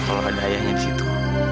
kalau ada ayahnya disitu